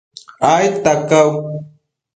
aidta cau